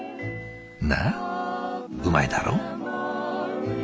なあうまいだろう？」。